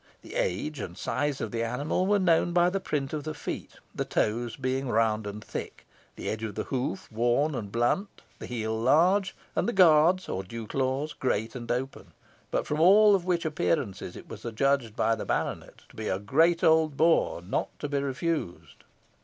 The age and size of the animal were known by the print of the feet, the toes being round and thick, the edge of the hoof worn and blunt, the heel large, and the guards, or dew claws, great and open, from all which appearances it was adjudged by the baronet to be "a great old boar, not to be refused."